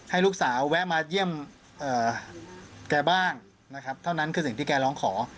ให้ลูกสาวแวะมาเยี่ยมแกบ้างนะครับเท่านั้นคือสิ่งที่แกร้องขอ